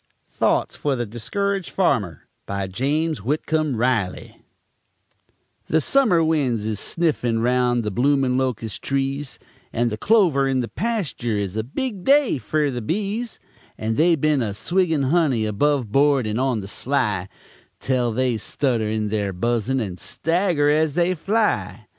THOUGHTS FER THE DISCURAGED FARMER BY JAMES WHITCOMB RILEY The summer winds is sniffin' round the bloomin' locus' trees; And the clover in the pastur is a big day fer the bees, And they been a swiggin' honey, above board and on the sly, Tel they stutter in theyr buzzin' and stagger as they fly.